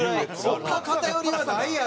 そんな偏りはないやろ？